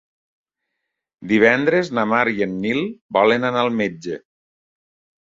Divendres na Mar i en Nil volen anar al metge.